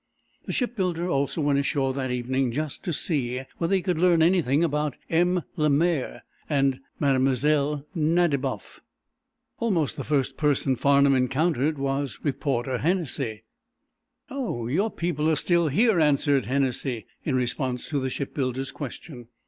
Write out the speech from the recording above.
The shipbuilder also went ashore that evening, just to see whether he could learn anything about M. Lemaire and Mlle. Nadiboff. Almost the first person Farnum encountered was reporter Hennessy. "Oh, your people are still here," answered Hennessy, in response to the shipbuilder's question.